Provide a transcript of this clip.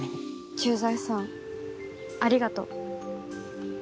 駐在さんありがとう。